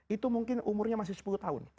itu mungkin umurnya masih sepuluh tahun